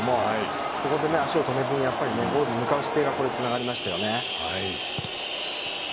そこで足を止めずにゴールに向かう姿勢がつながりましたよね。